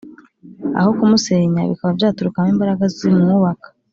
aho kumusenya, bikaba byaturukamo imbaraga zimwubaka.